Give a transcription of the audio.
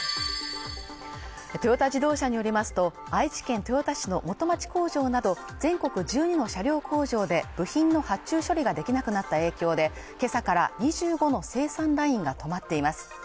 トヨタ自動車によりますと愛知県豊田市の元町工場など全国１２の車両工場で部品の発注処理ができなくなった影響でけさから２５の生産ラインが止まっています